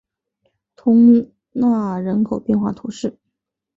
通讷人口变化图示